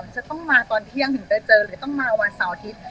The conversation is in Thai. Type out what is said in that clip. จะต้องมาตอนเที่ยงถึงจะเจอหรือต้องมาวันเสาร์อาทิตย์